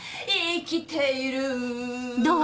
生きている